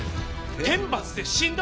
天罰で死んだ？